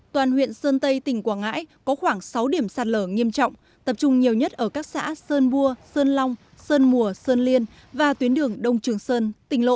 toàn huyện sơn tây tỉnh quảng ngãi có khoảng sáu điểm sạt lở nghiêm trọng tập trung nhiều nhất ở các xã sơn bua sơn long sơn mùa sơn liên và tuyến đường đông trường sơn tỉnh lộ sáu trăm hai mươi ba